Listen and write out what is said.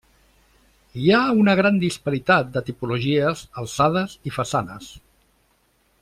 Hi ha una gran disparitat de tipologies, alçades i façanes.